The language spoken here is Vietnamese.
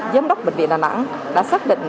giám đốc bệnh viện đà nẵng đã xác định